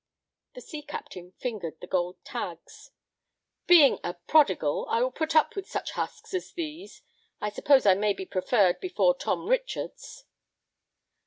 The sea captain fingered the gold tags. "Being a prodigal, I will put up with such husks as these. I suppose I may be preferred before Tom Richards?"